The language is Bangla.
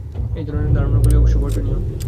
এই ধরনের ধারণাগুলি অবশ্য বর্জনীয়।